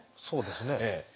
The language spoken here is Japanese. そうですね。